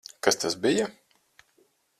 Kas tas bija?